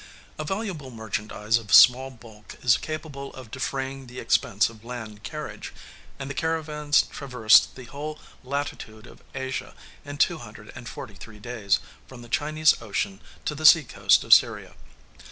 A valuable merchandise of small bulk is capable of defraying the expense of land carriage; and the caravans traversed the whole latitude of Asia in two hundred and forty three days from the Chinese Ocean to the sea coast of Syria.